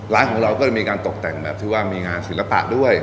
ร้านของเราก็จะมีการตกแต่งแบบที่ว่ามีงานศิลปะด้วย